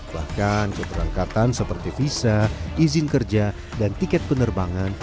bahkan keberangkatan seperti visa izin kerja dan tiket penerbangan